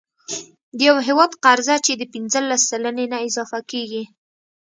د یو هیواد قرضه چې د پنځلس سلنې نه اضافه کیږي،